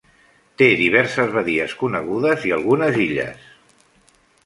Té diverses badies conegudes i algunes illes.